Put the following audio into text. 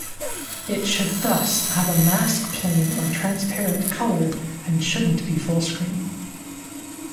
It should thus have a mask plane or transparent colour and shouldn't be fullscreen.